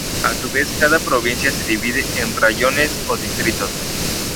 A su vez, cada provincia se divide en raiones o distritos.